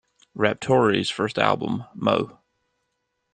Raptori's first album, Moe!